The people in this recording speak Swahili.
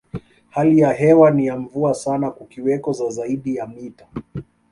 Hali ya hewa ni ya mvua sana kukiweko za zaidi ya mita